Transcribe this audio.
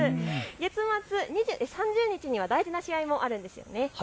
月末３０日には大事な試合もあるんですよね。